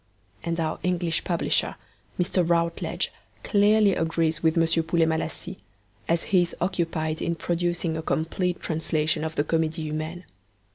And our English publisher, Mr. Routledge, clearly agrees with M. Poulet Malassis, as he is occupied in producing a complete translation of the Comedie Humaine.